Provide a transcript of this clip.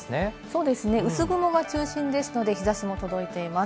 そうですね、薄雲が中心ですので、日差しも届いています。